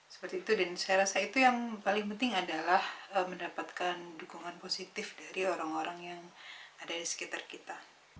seperti itu dan saya rasa itu yang paling penting adalah mendapatkan dukungan positif dari orang orang yang ada di sekitar kita